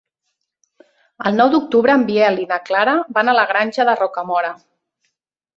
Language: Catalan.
El nou d'octubre en Biel i na Clara van a la Granja de Rocamora.